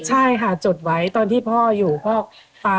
ใช่ค่ะจดไว้ตอนที่พ่ออยู่พ่ออ่า